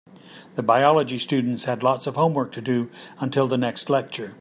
The biology students had lots of homework to do until the next lecture.